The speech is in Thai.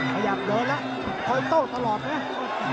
ขยับเยอะแล้วคอยโต้ตลอดเนี่ย